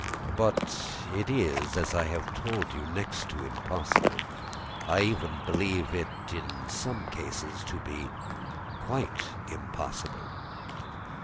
But it is, as I have told you, next to impossible. I even believe it in some cases to be quite impossible."